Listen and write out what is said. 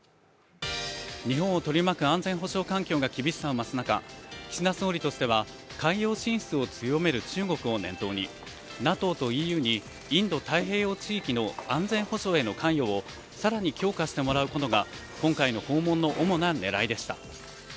日本を取り巻く安全保障環境が厳しさを増す中岸田総理としては海洋進出を強める中国を念頭にＮＡＴＯとＥＵにインド太平洋地域の安全保障への関与を更に強化してもらうことが今回の訪問の主な狙いでした。